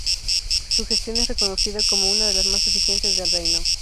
Su gestión es reconocida como una de las más eficientes del reino.